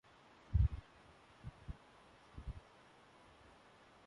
Later the booklet took the form of the magazine "Eclaire".